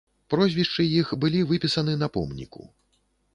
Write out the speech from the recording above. Прозвішчы іх былі выпісаны на помніку.